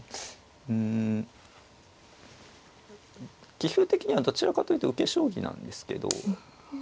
うん棋風的にはどちらかというと受け将棋なんですけど。